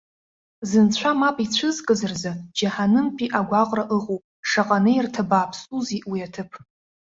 Зынцәа мап ицәызкыз рзы, џьаҳанымтәи агәаҟра ыҟоуп. Шаҟа неирҭа бааԥсузеи уи аҭыԥ!